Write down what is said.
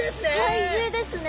怪獣ですね。